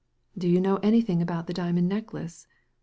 "Do you know anything about the diamond necklace